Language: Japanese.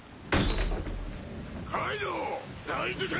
・カイドウ大事件だ！